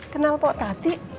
kenal pok tadi